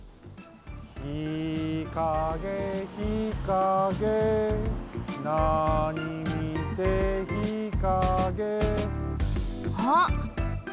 「ひかげひかげなに見てひかげ」あっ！